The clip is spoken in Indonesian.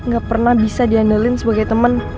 gak pernah bisa diandalkan sebagai temen